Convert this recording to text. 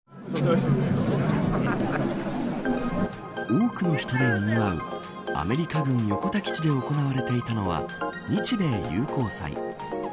多くの人でにぎわうアメリカ軍横田基地で行われていたのは日米友好祭。